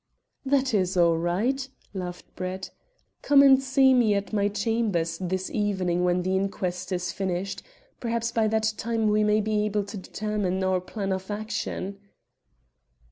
"That is all right," laughed Brett. "Come and see me at my chambers this evening when the inquest is finished. Perhaps by that time we may be able to determine our plan of action."